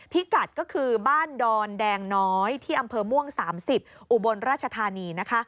พิกัดก็คือบ้านดอนแดงน้อยที่อำเภอม่วง๓๐อุบลราชธานีนะคะ